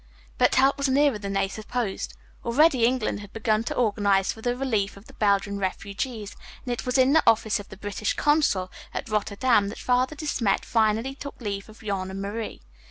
But help was nearer than they supposed. Already England had begun to organize for the relief of the Belgian refugees, and it was in the office of the British Consul at Rotterdam that Father De Smet finally took leave of Jan and Marie.